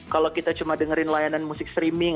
kalau kita cuma dengerin layanan musik streaming